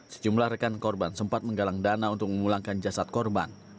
sejumlah rekan korban sempat menggalang dana untuk memulangkan jasad korban